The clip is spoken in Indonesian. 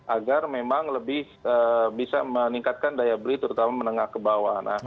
agar memang lebih bisa meningkatkan daya beli terutama menengah ke bawah